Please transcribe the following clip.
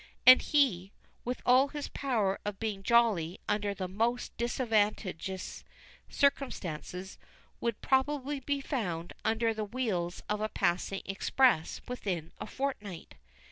And he, with all his power of being jolly under the most disadvantageous circumstances, would probably be found under the wheels of a passing express within a fortnight.